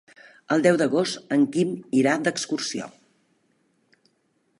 El deu d'agost en Quim irà d'excursió.